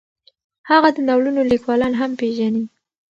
هغه د ناولونو لیکوالان هم پېژني.